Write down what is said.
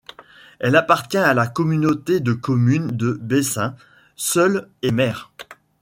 Elle appartient à la communauté de communes de Bessin, Seulles et Mer.